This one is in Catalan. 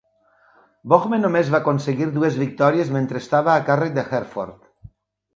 Bohme només va aconseguir dues victòries mentre estava a càrrec de Herford.